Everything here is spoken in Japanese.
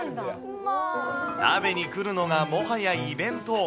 食べに来るのがもはやイベント。